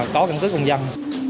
có căn cứ công dân